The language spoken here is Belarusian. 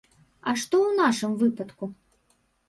А што ў нашым выпадку?